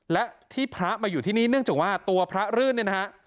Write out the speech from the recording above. และที่พระมาอยู่ที่นี่เนื่องจากว่าตัวพระรื่นเนี่ยนะฮะ